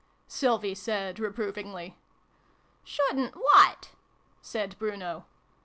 " Sylvie said re provingly. "Shouldn't what?" said Bruno.